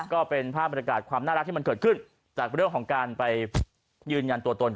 ก็เป็นภาพบรรยากาศความน่ารักที่มันเกิดขึ้นจากเรื่องของการไปยืนยันตัวตน